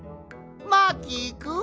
マーキーくん？